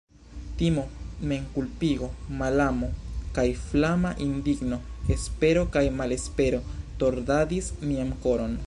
Timo, memkulpigo, malamo, kaj flama indigno, espero kaj malespero tordadis mian koron.